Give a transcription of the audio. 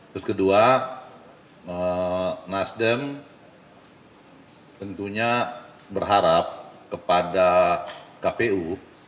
terus kedua nasdem tentunya berharap kepada kpu